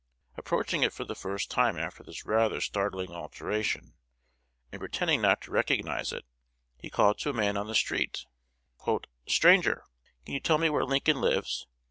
Approaching it for the first time after this rather startling alteration, and pretending not to recognize it, he called to a man on the street, "Stranger, can you tell me where Lincoln lives?